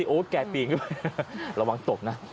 โอ้แก่ปิ่งด้วยระวังตกนะ